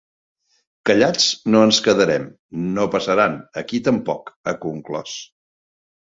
Callats no ens quedarem, ‘no passaran’ aquí tampoc’, ha conclòs.